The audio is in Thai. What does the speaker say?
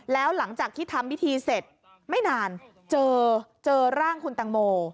แล้วหลังจากที่ทำพิธีเสร็จไม่นานเจอเจอร่างคุณตังโม